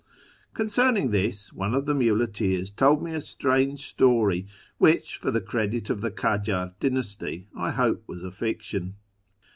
Concerning this, one of the muleteers told me a strange story, which, for the credit of the present dynasty, I hope was a fiction.